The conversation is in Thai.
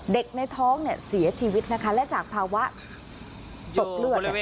ในท้องเนี่ยเสียชีวิตนะคะและจากภาวะตกเลือด